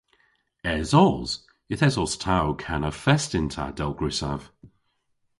Esos. Yth esos ta ow kana fest yn ta, dell grysav.